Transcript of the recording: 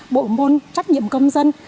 bộ môn trách nhiệm công dân